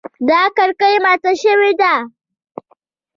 دا کړکۍ ماته شوې ده